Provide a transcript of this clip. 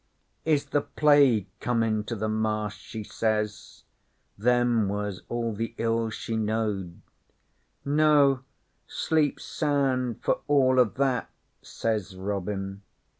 '"Is the Plague comin' to the Marsh?" she says. Them was all the ills she knowed. '"No. Sleep sound for all o' that," says Robin.